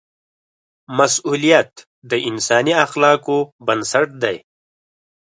مسؤلیت د انساني اخلاقو بنسټ دی.